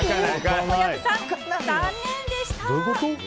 小籔さん、残念でした。